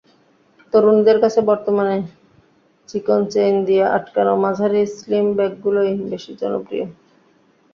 তরুণীদের কাছে বর্তমানে চিকন চেইন দিয়ে আটকানো মাঝারি স্লিম ব্যাগগুলোই বেশি জনপ্রিয়।